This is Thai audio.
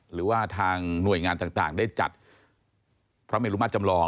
หรือว่าทางหน่วยงานต่างได้จัดพระเมลุมาตรจำลอง